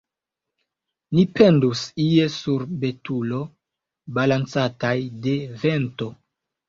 Ni pendus ie sur betulo, balancataj de vento.